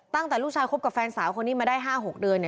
ตั้งแต่ลูกชายคบกับแฟนสาวคนนี้มาได้๕๖เดือน